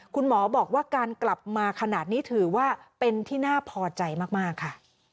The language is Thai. คุณหมอบอกว่าการกลับมาขนาดนี้ถือว่าเป็นที่น่าพอใจมากค่ะ